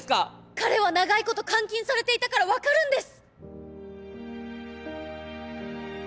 彼は長い事監禁されていたからわかるんです！